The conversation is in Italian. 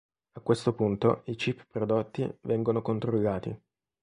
A questo punto i chip prodotti vengono controllati.